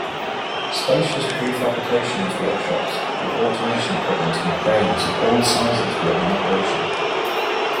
Spacious prefabrications workshops with automation equipment and cranes of all sizes were in operation.